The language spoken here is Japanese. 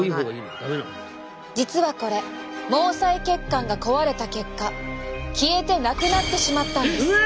実はこれ毛細血管が壊れた結果消えて無くなってしまったんです！